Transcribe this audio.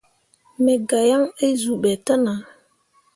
Me gah yaŋ azuu ɓe te nah.